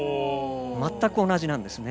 全く同じなんですね。